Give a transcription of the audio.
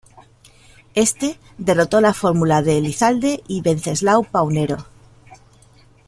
Éste derrotó a la fórmula de Elizalde y Wenceslao Paunero.